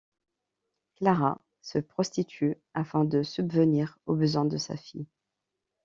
Clara se prostitue afin de subvenir aux besoins de sa fille.